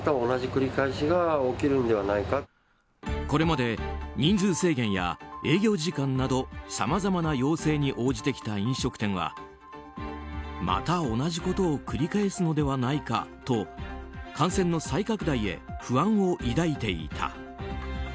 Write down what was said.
これまで人数制限や営業時間などさまざまな要請に応じてきた飲食店はまた同じことを繰り返すのではないかと感染の再拡大へ不安を抱いていた。